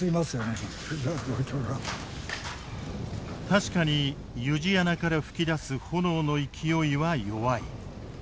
確かに湯路穴から噴き出す炎の勢いは弱い。